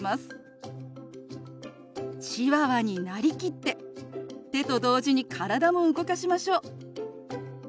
チワワになりきって手と同時に体も動かしましょう。